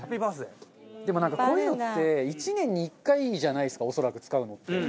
でもなんかこういうのって１年に１回じゃないですか恐らく使うのって。